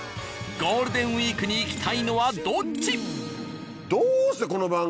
ゴールデンウィークに行きたいのはどっち？